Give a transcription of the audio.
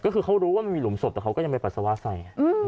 ก็คือเขารู้ว่ามันมีหลุมศพแต่เขาก็ยังไปปัสสาวะใส่